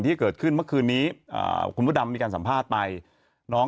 ที่เกิดขึ้นเมื่อคืนนี้คุณพระดำมีการสัมภาษณ์ไปน้อง